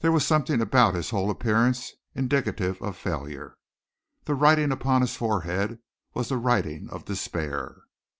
There was something about his whole appearance indicative of failure. The writing upon his forehead was the writing of despair.